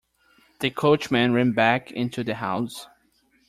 The coachman ran back into the house.